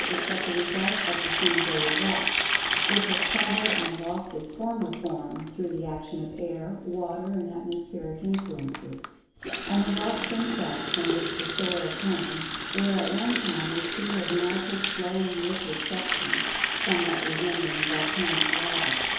is but the result of disintegrated rock, which has crumbled and lost its former form through the action of air, water and atmospheric influences. And the rocks themselves, from which the "soil" came, were at one time a sea of melted, flowing liquid Substance, somewhat resembling volcanic lava.